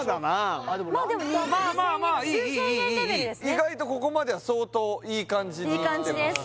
意外とここまでは相当いい感じにいい感じです